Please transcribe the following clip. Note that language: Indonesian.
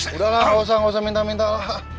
udah lah gak usah minta minta lah